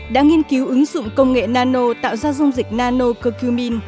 đã nghiên cứu ứng dụng công nghệ nano tạo ra dung dịch nano cocumin